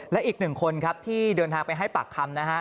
และอีกหนึ่งคนครับที่เดินทางไปให้ปากคำนะฮะ